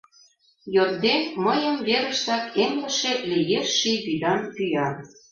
Йодде, мыйым верыштак эмлыше Лиеш ший вӱдан пӱя.